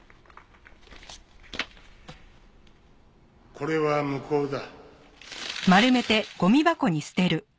これは無効だ。